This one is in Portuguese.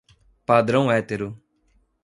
Padrão hétero